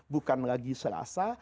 bukan lagi selasa